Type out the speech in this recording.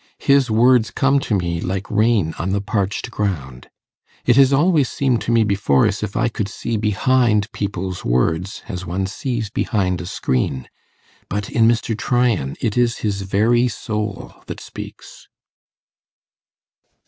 His words come to me like rain on the parched ground. It has always seemed to me before as if I could see behind people's words, as one sees behind a screen; but in Mr. Tryan it is his very soul that speaks.